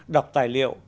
đọc tài liệu